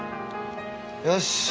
よし。